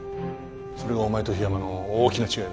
それがお前と桧山の大きな違いだ。